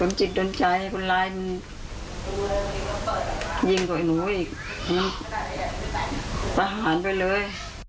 ประหารไปเลย